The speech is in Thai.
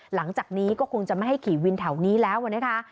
หลังจากนี้ก็คงจะไม่ให้ขี่วินแถวนี้แล้วนะคะ